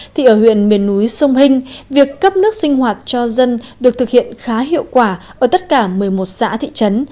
thì ở huyện miền núi sông hình việc cấp nước sinh hoạt cho dân được thực hiện khá hiệu quả ở tất cả một mươi một xã thị trấn